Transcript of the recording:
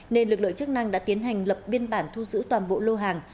nên lực lượng chức năng đã tiến hành lập biên bản thu giữ toàn bộ lô hàng